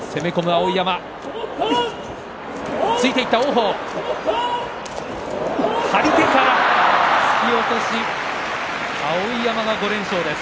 碧山、５連勝です。